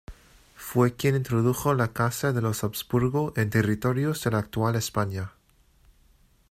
Fue quien introdujo la casa de los Habsburgo en territorios de la actual España.